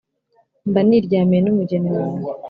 mbaniryamiye n’umugeni wanjye